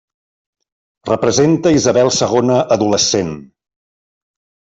Representa Isabel segona adolescent.